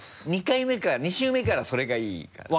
２回目から２周目からそれがいいかな。